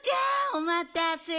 おまたせ。